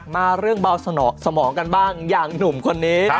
มาเรื่องเบาสมองสมองกันบ้างอย่างหนุ่มคนนี้